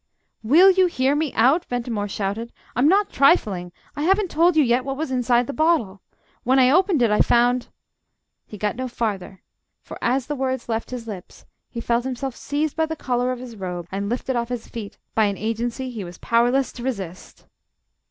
"Will you hear me out?" Ventimore shouted. "I'm not trifling. I haven't told you yet what was inside the bottle. When I opened it, I found ..." He got no farther for, as the words left his lips, he felt himself seized by the collar of his robe and lifted off his feet by an agency he was powerless to resist.